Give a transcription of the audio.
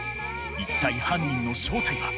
一体犯人の正体は。